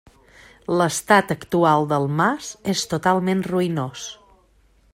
L'estat actual del mas és totalment ruïnós.